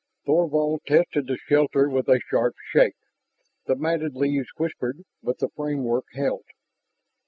Thorvald tested the shelter with a sharp shake. The matted leaves whispered, but the framework held.